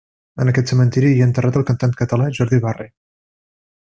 En aquest cementiri hi ha enterrat el cantant català Jordi Barre.